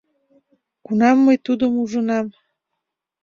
Кунам мый тудым ужынам.